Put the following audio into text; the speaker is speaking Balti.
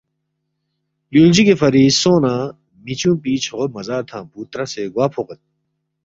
یولجوگی فری سونگنہ میچونگپی چھوغو مزارتھنگ پو تراسے گوا فوغید۔